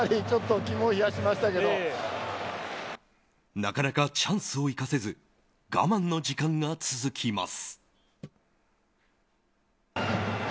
なかなかチャンスを生かせず我慢の時間が続きます。